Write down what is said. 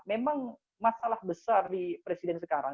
memang masalah besar di presiden sekarang